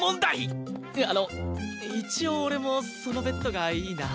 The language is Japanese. あの一応俺もそのベッドがいいなあ。